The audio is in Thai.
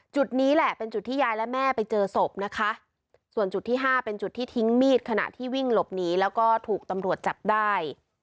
จุดนี้แหละเป็นจุดที่ยายและแม่ไปเจอศพนะคะส่วนจุดที่ห้าเป็นจุดที่ทิ้งมีดขณะที่วิ่งหลบหนีแล้วก็ถูกตำรวจจับได้